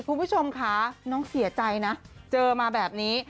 คุณผู้ชมค่ะน้องเสียใจนะเจอมาแบบนี้